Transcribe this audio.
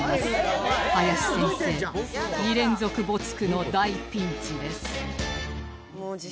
林先生２連続没句の大ピンチです